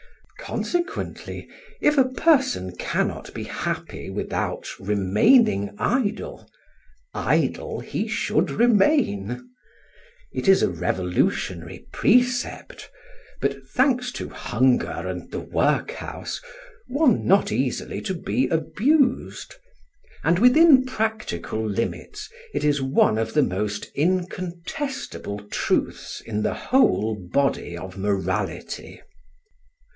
Consequently, if a person cannot be happy without remaining idle, idle he should remain. It is a revolutionary precept; but thanks to hunger and the workhouse, one not easily to be abused; and within practical limits, it is one of the most incontestable truths in the whole Body of Morality.